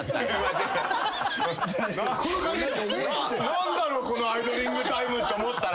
何だろうこのアイドリングタイムって思ったら。